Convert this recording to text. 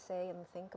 apakah itu menurut anda